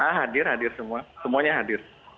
kita hadir hadir semua semuanya hadir